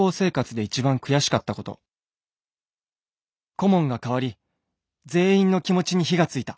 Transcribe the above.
「顧問が変わり全員の気持ちに火がついた。